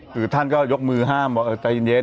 คือท่านก็ยกมือห้ามบอกใจเย็น